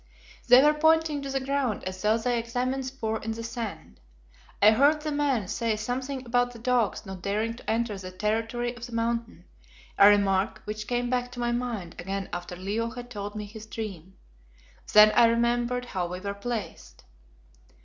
They were pointing to the ground as though they examined spoor in the sand. I heard the man say something about the dogs not daring to enter the territory of the Mountain, a remark which came back to my mind again after Leo had told me his dream. Then I remembered how we were placed.